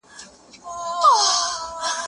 زه اجازه لرم چي خواړه ورکړم!؟